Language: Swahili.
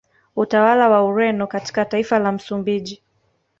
Utawala wa Ureno katika taifa la Msumbiji